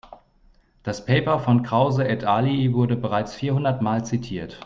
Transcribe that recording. Das Paper von Krause et al. wurde bereits vierhundertmal zitiert.